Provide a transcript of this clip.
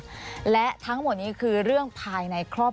ควิทยาลัยเชียร์สวัสดีครับ